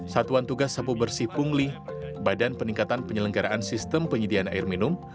satuan tugas sabu bersih pungli badan peningkatan penyelenggaraan sistem penyediaan air minum